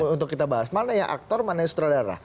untuk kita bahas mana yang aktor mana yang sutradara